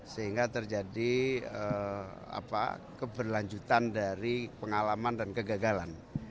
sehingga terjadi keberlanjutan dari pengalaman dan kegagalan